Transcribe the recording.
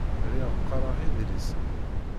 Lliɣ qqareɣ idlisen.